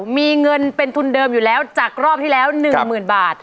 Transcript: มีเงินเป็นทุนเดิมอยู่แล้วจากรอบที่แล้ว๑๐๐๐บาท